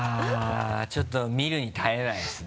ちょっと見るに堪えないですね。